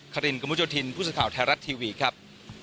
ครินกำลังเจ้าทินพุทธข่าวไทยรัตน์ทีวีครับ